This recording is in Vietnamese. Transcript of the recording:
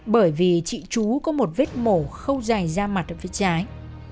bởi vì chị chú có một vết mổ khâu dài ra mặt ở phía trái